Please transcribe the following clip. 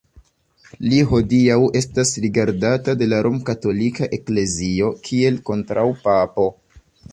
Li hodiaŭ estas rigardata de la Romkatolika Eklezio kiel kontraŭpapo.